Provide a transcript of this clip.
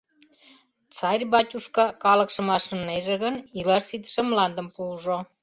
Царь-батюшка калыкшым ашнынеже гын, илаш ситыше мландым пуыжо.